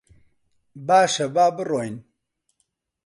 باشە، با بڕۆین.